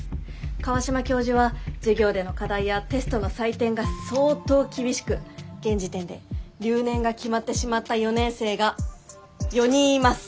川島教授は授業での課題やテストの採点が相当厳しく現時点で留年が決まってしまった４年生が４人います。